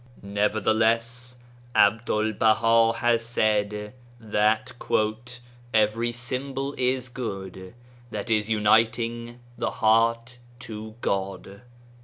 Nevertheless Abdul 19 Baha has said that " every symbol is good that is uniting the heart to God."